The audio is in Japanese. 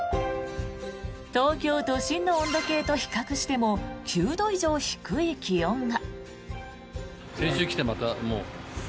東京都心の温度計と比較しても９度以上低い気温が。